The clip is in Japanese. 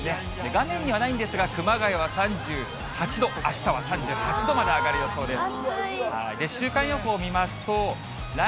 画面にはないんですが、熊谷は３８度、あしたは３８度まで上がる予想です。